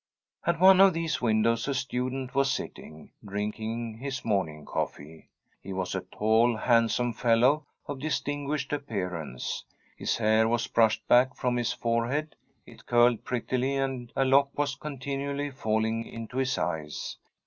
At one of these windows a student was sitting, drinking his morning coffee. He was a tall, handsome fellow, of distinguished appearance. His hair was brushed back from his forehead ; it curled prettily, and a lock was continually falling into his eyes.